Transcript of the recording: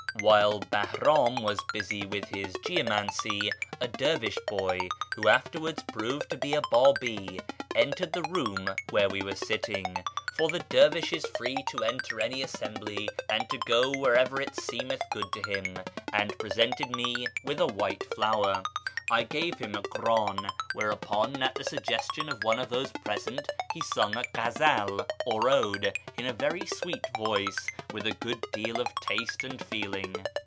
While Bahram was busy with his geomancy, a dervish boy, who afterwards proved to be a Bfibi, entered the room where we were sitting (for the dervish is free to enter any assembly and to go wherever it seemeth good to him), and presented me with a white flower. I gave him a krdn, whereupon, at the suggestion of one of those present, he sung a (jhazal, or ode, in a very sweet voice, with a good deal of taste and feeling.